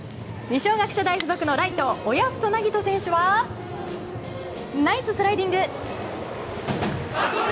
二松学舎大附属のライト親富祖凪人選手はナイススライディング！